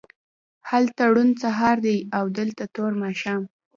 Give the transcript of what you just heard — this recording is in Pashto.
هلته روڼ سهار دی او دلته تور ماښام